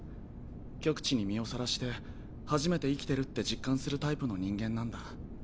極地に身をさらして初めて生きてるって実感するタイプの人間なんだ。